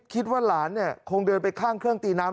คิดว่าหลานเนี่ยคงเดินไปข้างเครื่องตีน้ำ